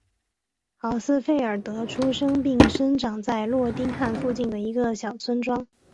豪斯费尔德出生并生长在诺丁汉附近的一个小村庄。